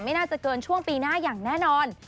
ไม่น่าจะเกินช่วงปีหน้าอย่างแน่นอน